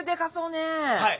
はい！